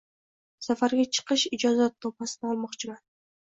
Safarga chiqish ijozatnomasini olmoqchiman.